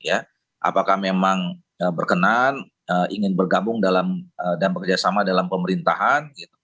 apakah memang berkenan ingin bergabung dan bekerjasama dalam pemerintahan